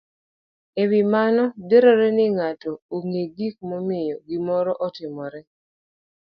e wi mano, dwarore ni ng'ato ong'e gik momiyo gimoro otimore.